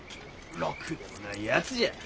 ろくでもないやつじゃ。